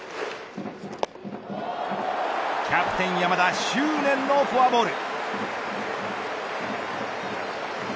キャプテン山田執念のフォアボール。